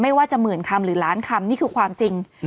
ว่าจะหมื่นคำหรือล้านคำนี่คือความจริง